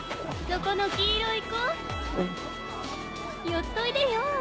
寄っといでよ。